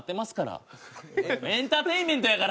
エンターテインメントやから！